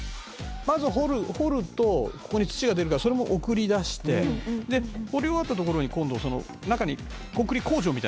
まず掘るとここに土が出るからそれも送り出してで掘り終わったところに今度中にコンクリ工場みたいなのがあると思って。